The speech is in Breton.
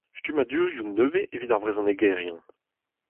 Stummadurioù nevez evit ar vrezhonegerien.